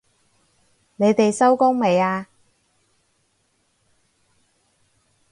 你哋收工未啊？